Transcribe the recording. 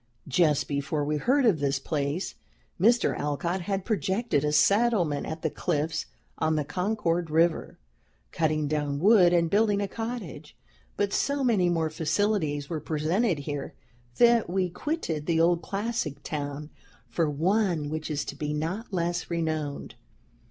"Just before we heard of this place, Mr. Alcott had projected a settlement at the Cliffs on the Concord River, cutting down wood and building a cottage; but so many more facilities were presented here that we quitted the old classic town for one which is to be not less renowned.